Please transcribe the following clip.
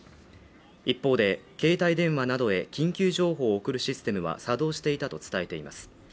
一方で携帯電話などで緊急情報を送るシステムは作動していたと伝えています